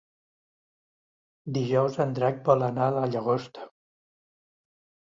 Dijous en Drac vol anar a la Llagosta.